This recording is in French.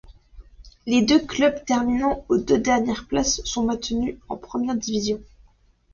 Les deux clubs terminant aux deux dernières places sont maintenus en première division.